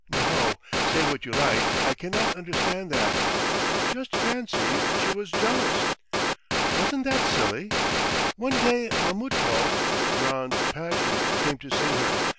. no, say what you like, I cannot understand that! Just fancy, she was jealous! Wasn't that silly? One day Mametkul, her grande passion, came to see her